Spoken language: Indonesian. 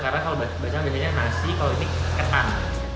karena kalau bacang biasanya nasi kalau ini ketan